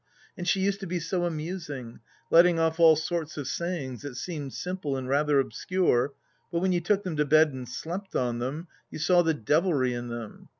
And she used to be so amusing, letting off all sorts of sayings that seemed simple and rather obscure, but when you took them to bed and slept on them, you saw the devilry in them.